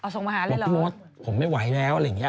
อ๋อส่งมาหาเลยเหรอบอกว่าผมไม่ไหวแล้วอะไรอย่างเงี้ย